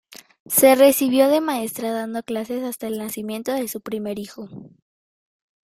Se recibió de maestra, dando clases hasta el nacimiento de su primer hijo.